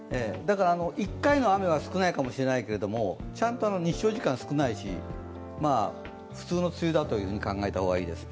１回の雨は少ないかもしれないけれどちゃんと日照時間、少ないし、普通の梅雨だと考えた方がいいです。